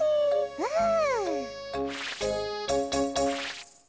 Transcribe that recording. うん。